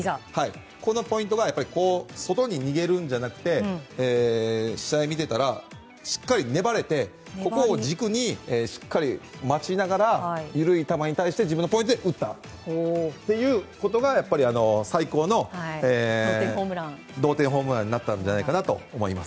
このポイントが外に逃げるんじゃなくて試合を見ていたらしっかり粘れて、ここを軸にしっかり待ちながら緩い球に対して自分のポイントで打ったということが最高の同点ホームランになったんじゃないかと思います。